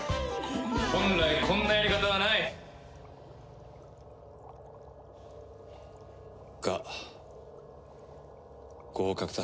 本来こんなやり方はない！が合格だ。